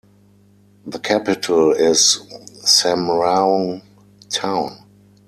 The capital is Samraong town.